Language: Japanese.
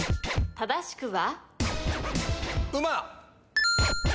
正しくは？